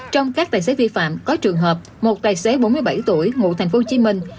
trong các tài xế vi phạm có trường hợp một tài xế bốn mươi bảy tuổi ngụ thành phố hồ chí minh